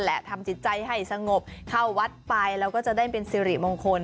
ทำจิตใจให้สงบเข้าวัดไปแล้วก็จะได้เป็นสิริมงคล